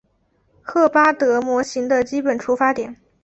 赫巴德模型的基本出发点。